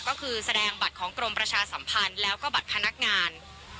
ก็คือแสดงบัตรของกรมประชาสัมพันธ์แล้วก็บัตรพนักงาน